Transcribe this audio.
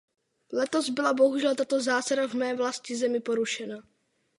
Letos byla bohužel tato zásada v mé vlastní zemi porušena.